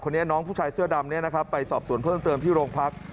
คนนี้น้องผู้ชายเสื้อดำนี้ไปสอบส่วนเพิ่มเตือนที่โรงพาร์ค